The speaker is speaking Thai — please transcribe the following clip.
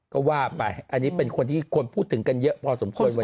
ก็ว่าไปอันนี้เป็นคนที่ควรพูดถึงกันเยอะพอสมควร